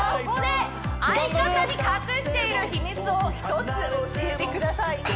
ここで相方に隠している秘密を一つ教えてください